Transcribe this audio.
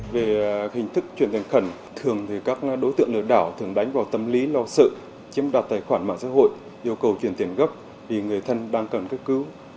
về hình thức chuyển tiền khẩn thường thì các đối tượng lừa đảo thường đánh vào tâm lý lo sự chiếm đoạt tài khoản mạng xã hội yêu cầu chuyển tiền gấp vì người thân đang cần cấp cứu